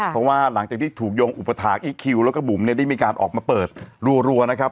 เพราะว่าหลังจากที่ถูกโยงอุปถาคอีคคิวแล้วก็บุ๋มเนี่ยได้มีการออกมาเปิดรัวนะครับ